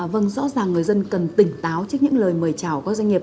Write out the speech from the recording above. vâng rõ ràng người dân cần tỉnh táo trước những lời mời chào các doanh nghiệp